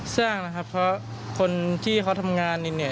ใส้อย่างนะครับเพราะคนที่เขาทำงานเรียนเหนื่อย